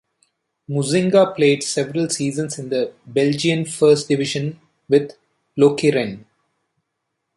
Muzinga played several seasons in the Belgian First Division with Lokeren.